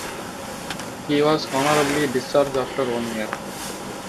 He was honorably discharged after one year.